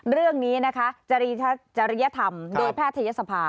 เรื่องนี้นะคะจริยธรรมโดยแพทยศภา